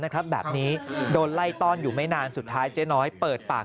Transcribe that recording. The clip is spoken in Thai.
แบบนี้โดนไล่ต้อนอยู่ไม่นานสุดท้ายเจ๊น้อยเปิดปาก